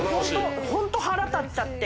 ホント腹立っちゃって。